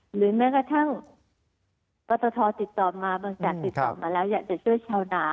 หรือแม้กระทั่งปตทติดต่อมาบริษัทติดต่อมาแล้วอยากจะช่วยชาวนา